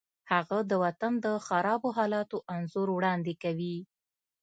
هغه د وطن د خرابو حالاتو انځور وړاندې کوي